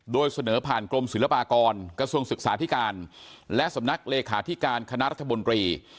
โดยเสนอผ่านกรมศิลปากรกระทรวงศึกษาธิการและสำนักเลขาธิการคณะรัฐมนตรี